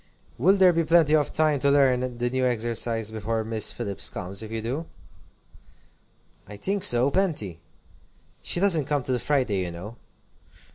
"Will there be plenty of time to learn the new exercise before Miss Phillips comes, if you do?" "I think so, plenty. She doesn't come till Friday, you know."